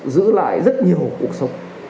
giữ lại rất nhiều cuộc sống